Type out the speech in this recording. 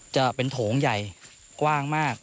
จะเป็นโถงใหญ่กว้างมาก